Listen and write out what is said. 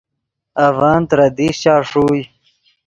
اڤن ترے دیشچا ݰوئے